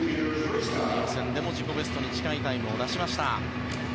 予選でも、自己ベストに近いタイムを出しました。